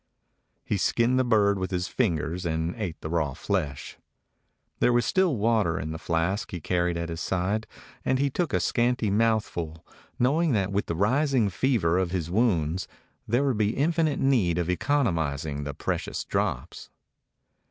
He skinned the bird with his fingers and ate the raw flesh. There was still water in the flask he carried at his side, and he took a scanty mouthful, knowing that with the ris ing fever of his wounds there would be infinite need of economizing the precious drops.